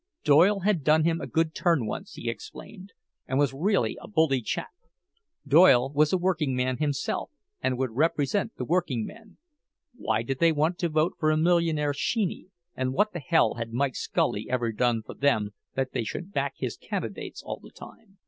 Doyle had done him a good turn once, he explained, and was really a bully chap; Doyle was a workingman himself, and would represent the workingmen—why did they want to vote for a millionaire "sheeny," and what the hell had Mike Scully ever done for them that they should back his candidates all the time?